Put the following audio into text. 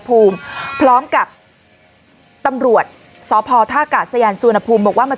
ภูมิพร้อมกับตำรวจสพท่ากาศยานสุวรรณภูมิบอกว่ามา